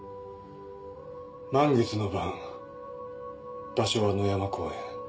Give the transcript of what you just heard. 満月の晩場所は野山公園。